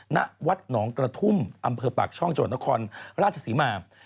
ณวัดหนองกระทุ่มอำเภอปากช่องจังหวัดนครราชศรีมา